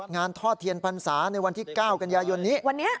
ทอดเทียนพรรษาในวันที่๙กันยายนนี้